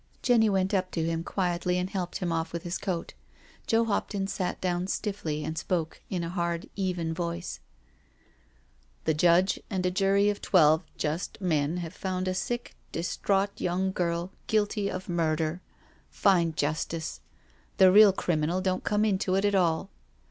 Jenny went up to him quietly and helped him off with his coat. Joe Hopton sat down stiffly and spoke in a hard, even voice: " The judge and a jury of twelve just men have found a sick, distraught young girl guilty of murder — fine justice! The real criminal don't come into it at all.